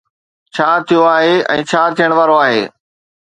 ڇا ٿيو آهي ۽ ڇا ٿيڻ وارو آهي.